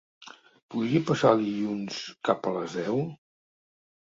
Podria passar el dilluns cap a les deu?